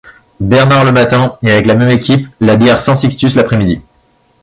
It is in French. Bernard le matin et avec la même équipe, la bière St Sixtus l’après-midi.